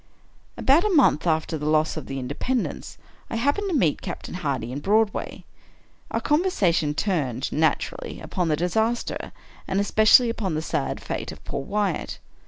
About a month after the loss of the " Independence," I happened to meet Captain Hardy in Broadway. Our con versation turned, naturally, upon the disaster, and especially upon the sad fate of poor Wyatt.